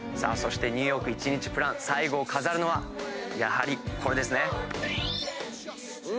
そしてニューヨーク１日プラン最後を飾るのはやはりこれですね。